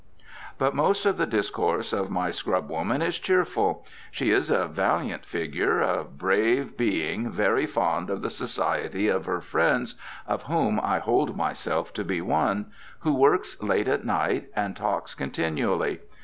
But most of the discourse of my scrubwoman is cheerful. She is a valiant figure, a brave being very fond of the society of her friends (of whom I hold myself to be one), who works late at night, and talks continually.